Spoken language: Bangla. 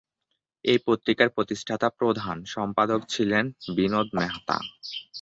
এই পত্রিকার প্রতিষ্ঠাতা-প্রধান সম্পাদক ছিলেন বিনোদ মেহতা।